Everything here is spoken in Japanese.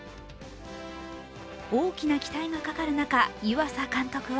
大きな期待がかかる中湯浅監督は